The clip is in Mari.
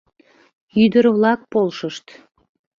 — Ӱдыр-влак полшышт.